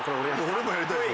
俺もやりたいよ